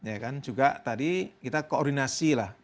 ya kan juga tadi kita koordinasi lah